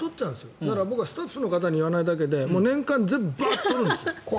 スタッフの方に言わないだけで年間、全部バーッと取るんです。